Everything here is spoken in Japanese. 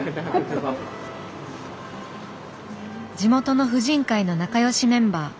地元の婦人会の仲良しメンバー。